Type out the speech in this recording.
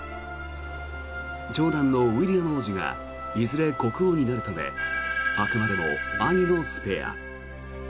長男のウィリアム王子がいずれ国王になるためあくまでも兄のスペア。